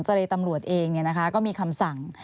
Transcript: เจรตำรวจเองเนี่ยนะคะก็มีคำสั่ง